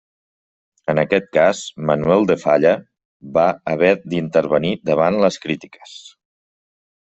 En aquest cas Manuel de Falla va haver d'intervenir davant les crítiques.